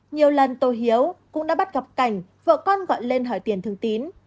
nhiều lần tô hiếu cũng đã bắt gặp cảnh vợ con gọi lên hỏi tiền thương tín